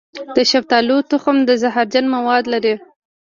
د شفتالو تخم زهرجن مواد لري.